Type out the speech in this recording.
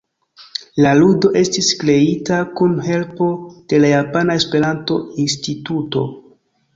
La ludo estis kreita kun helpo de la Japana Esperanto-Instituto.